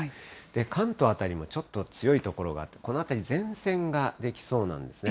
関東辺りもちょっと強い所があって、この辺り、前線が出来そうなんですね。